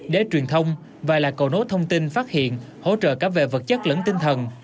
đế truyền thông và là cầu nốt thông tin phát hiện hỗ trợ các vệ vật chất lẫn tinh thần